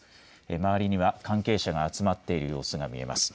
周りには関係者が集まっている様子が見えます。